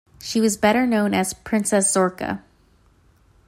She was better known as Princess Zorka.